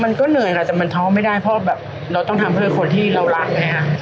มันก็เหนื่อยค่ะแต่มันท้อไม่ได้เพราะแบบเราต้องทำเพื่อคนที่เรารักไงค่ะ